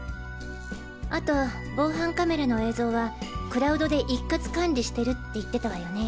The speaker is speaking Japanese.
あと防犯カメラの映像はクラウドで一括管理してるって言ってたわよね？